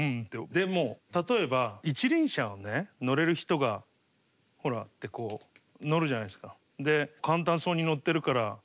でも例えば一輪車をね乗れる人が「ほら」ってこう乗るじゃないですか。